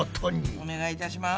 お願いいたします。